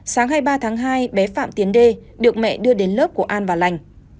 sáng hai mươi ba tháng hai bé phạm tiến đê được mẹ đưa đến lớp của an và lành